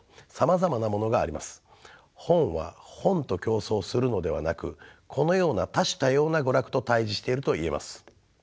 本は本と競争するのではなくこのような多種多様な娯楽と対じしているといえます。